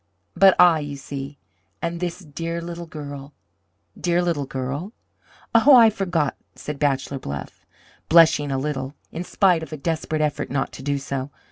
But I, you see, and this dear little girl " "Dear little girl?" "Oh, I forgot," said Bachelor Bluff, blushing a little, in spite of a desperate effort not to do so.